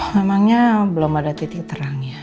memangnya belum ada titik terang ya